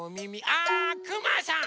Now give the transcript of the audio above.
あくまさん！